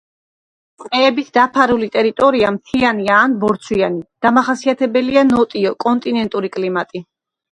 ტყეებით დაფარული ტერიტორია მთიანია ან ბორცვიანი, დამახასიათებელია ნოტიო, კონტინენტური კლიმატი.